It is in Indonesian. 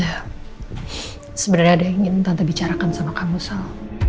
ya sebenarnya ada yang ingin tante bicarakan sama kamu salah